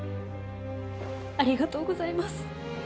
ありがとうございます。